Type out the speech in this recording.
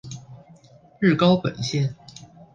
日高本线。